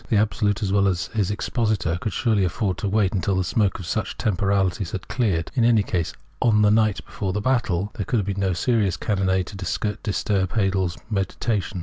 The Absolute, as well as his expositor, could surely afford to wait till the smoke of such temporalities had cleared. In any case, " on the night before the battle " there could have been no serious cannonade to disturb Hegel's meditations.